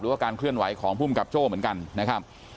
ว่าการเคลื่อนไหวของภูมิกับโจ้เหมือนกันนะครับ